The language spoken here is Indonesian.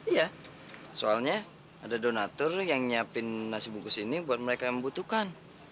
iya soalnya ada donatur yang nyiapin nasi bungkus ini buat mereka yang membutuhkan